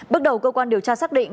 bước đầu cơ quan điều tra xác định